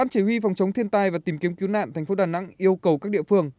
chỉ huy phòng chống thiên tai và tìm kiếm cứu nạn thành phố đà nẵng yêu cầu các địa phương